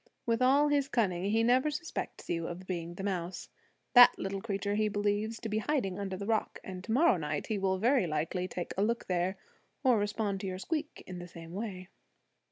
With all his cunning he never suspects you of being the mouse. That little creature he believes to be hiding under the rock; and to morrow night he will very likely take a look there, or respond to your squeak in the same way.